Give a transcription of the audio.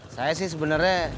saya sih sebenernya